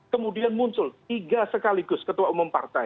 kemudian muncul tiga sekaligus ketua umum partai